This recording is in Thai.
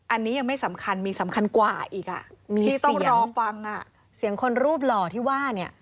อันนี้ยังไม่สำคัญมีสำคัญกว่าอีกอ่ะมีที่ต้องรอฟังอ่ะเสียงคนรูปหล่อที่ว่าเนี่ย